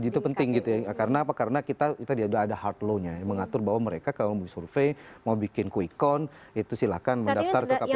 itu penting gitu ya karena apa karena kita tadi ada hard law nya yang mengatur bahwa mereka kalau mau survei mau bikin quick count itu silahkan mendaftar ke kpu